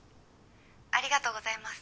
ありがとうございます。